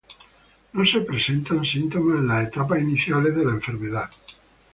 No se presentan síntomas en las etapas iniciales de la enfermedad.